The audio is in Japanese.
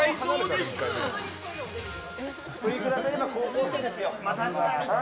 プリクラといえば高校生ですよ。